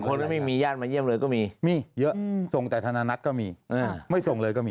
ไม่มีญาติมาเยี่ยมเลยก็มีมีเยอะส่งแต่ธนานัทก็มีไม่ส่งเลยก็มี